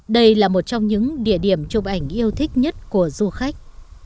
đây là một trong những địa điểm chụp ảnh yêu thích nhất của du khách